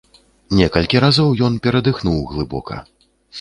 Некалькі разоў ён перадыхнуў глыбока.